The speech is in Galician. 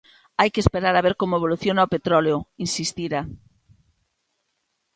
"Hai que esperar a ver como evoluciona o petróleo", insistira.